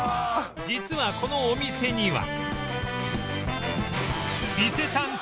実はこのお店には